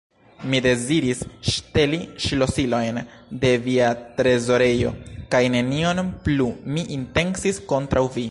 Mi deziris ŝteli ŝlosilojn de via trezorejo kaj nenion plu mi intencis kontraŭ vi!